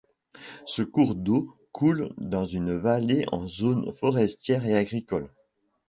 Ce cours d’eau coule dans une vallée en zone forestière et agricole.